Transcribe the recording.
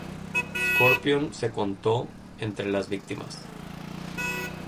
Scorpion se contó entre las víctimas.